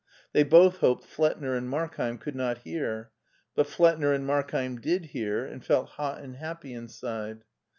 They both hoped Flettner and Markheim could not hear; but Flettner and Mark heim did hear, and felt hot and happy inside.